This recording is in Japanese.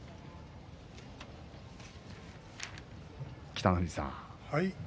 北の富士さん